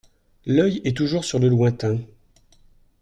L’œil est toujours sur le lointain.